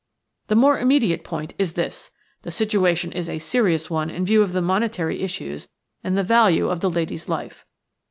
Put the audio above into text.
The more immediate point is this. The situation is a serious one in view of the monetary issues and the value of the lady's life.